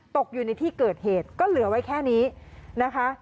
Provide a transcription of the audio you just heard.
ตกอยู่ในที่เกิดเหตุก็เหลือไว้แค่นี้นะคะ